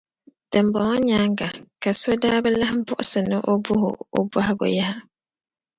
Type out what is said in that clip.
Dimbɔŋɔ nyaaŋa ka so daa bi lan buɣisi ni o bɔh’ o bɔhigu yaha.